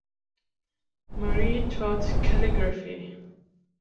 Marie taught calligraphy.